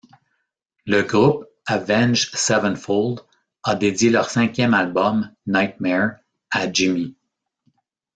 Le groupe Avenged Sevenfold a dédié leur cinquième album, Nightmare, à Jimmy.